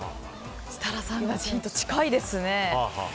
設楽さんが近いですね。